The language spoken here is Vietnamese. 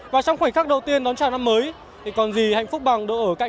và trong khoảnh khắc đầu tiên đón chào năm mới thì còn gì hạnh phúc bằng độ ở cạnh